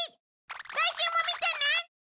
来週も見てね！